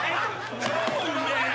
超うめえ！